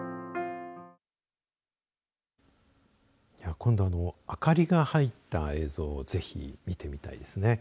今度は明かりが入った映像をぜひ見てみたいですね。